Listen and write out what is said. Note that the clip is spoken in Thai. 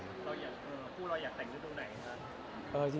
คู่เราอยากแต่งกันตรงไหนคะ